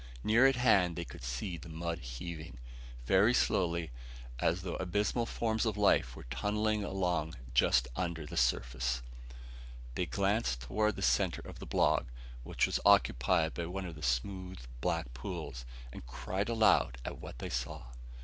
Near at hand they could see the mud heaving, very slowly, as though abysmal forms of life were tunneling along just under the surface. They glanced toward the center of the bog, which was occupied by one of the smooth black pools, and cried aloud at what they saw.